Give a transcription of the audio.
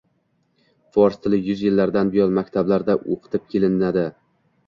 fors tili yuz yillardan buyon maktablarda o‘qitib kelinadi